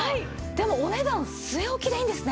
でもお値段据え置きでいいんですね？